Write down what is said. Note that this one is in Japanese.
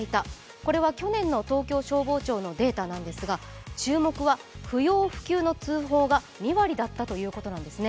これは去年の東京消防庁のデータなんですが、注目は不要不急の通報が２割だったということなんですね。